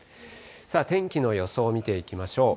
天気の予想を見ていきましょう。